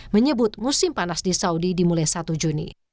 menyebut musim panas di saudi dimulai satu juni